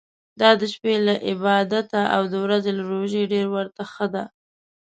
دا د شپې له عبادته او د ورځي له روژې ډېر ورته ښه ده.